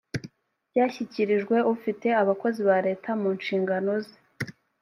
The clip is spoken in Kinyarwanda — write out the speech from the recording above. byashyikirijwe ufite abakozi ba leta mu nshingano ze